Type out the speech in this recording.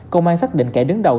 công an xác định kẻ đứng đầu